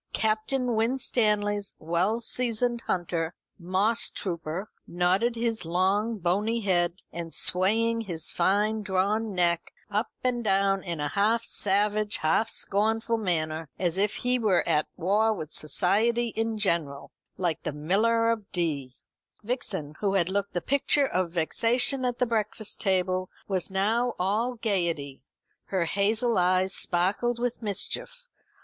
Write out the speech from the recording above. Captain Winstanley's well seasoned hunter, Mosstrooper, nodding his long bony head, and swaying his fine drawn neck up and down in a half savage half scornful manner, as if he were at war with society in general, like the Miller of Dee. Vixen, who had looked the picture of vexation at the breakfast table, was now all gaiety. Her hazel eyes sparkled with mischief.